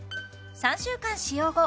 ３週間使用後